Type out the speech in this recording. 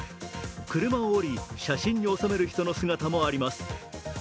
車を降り写真に収める人の姿もあります。